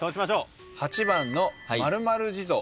８番の○○地蔵。